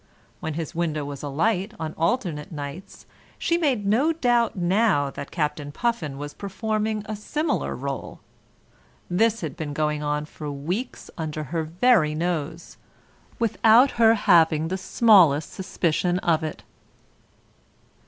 When his window was alight on alternate nights she made no doubt now that Captain Puffin was performing a similar role. This had been going on for weeks under her very nose, without her having the smallest suspicion of it.